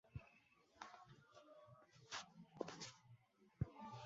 प्रश्न: मिरचीची उन्हाळी लागवड करायची आहे.